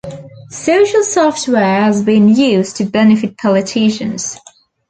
Social software has been used to benefit politicians.